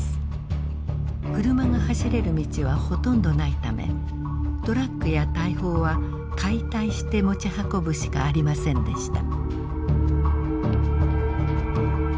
車が走れる道はほとんどないためトラックや大砲は解体して持ち運ぶしかありませんでした。